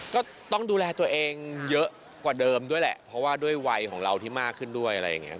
ก็ต้องดูแลตัวเองเยอะกว่าเดิมด้วยแหละเพราะว่าด้วยวัยของเราที่มากขึ้นด้วยอะไรอย่างนี้